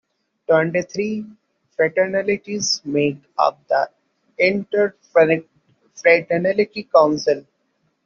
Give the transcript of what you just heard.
Twenty-three fraternities make up the Interfraternity Council.